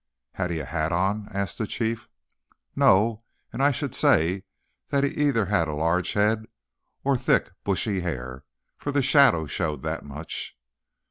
"Had he a hat on?" asked the Chief. "No; and I should say he had either a large head or thick, bushy hair, for the shadow showed that much."